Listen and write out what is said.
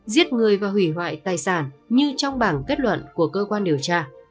giết người và hủy hoại tài sản như trong bảng kết luận của cơ quan điều tra